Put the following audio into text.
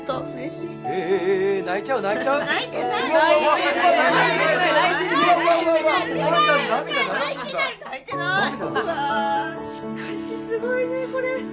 しかしすごいねこれ。